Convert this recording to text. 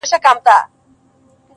د هغه د صحت د اثبات